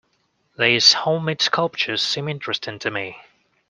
These home-made sculptures seem interesting to me.